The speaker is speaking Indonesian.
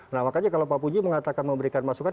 nah makanya kalau pak puji mengatakan memberikan masukan